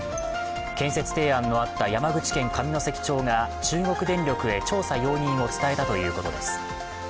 建設提案のあった山口県上関町が中国電力へ調査容認を伝えたということです。